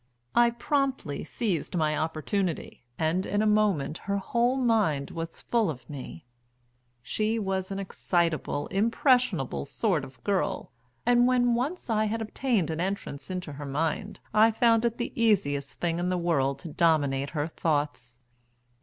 I promptly seized my opportunity, and in a moment her whole mind was full of me. She was an excitable, impressionable sort of girl, and when once I had obtained an entrance into her mind I found it the easiest thing in the world to dominate her thoughts.